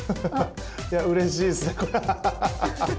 いやうれしいですねこれ。